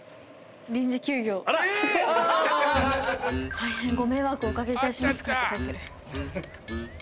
「大変ご迷惑をお掛けいたします」って。